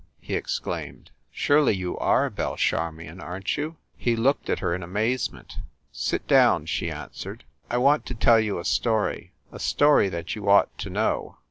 he exclaimed. "Surely you are Belle Charmion, aren t you?" He looked at her in amaze ment. "Sit down," she answered. "I want to tell you a story a story that you ought to know."